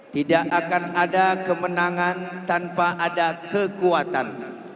tidak akan ada kemenangan tanpa ada kekuatan